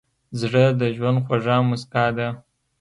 زړه د ژوند خوږه موسکا ده.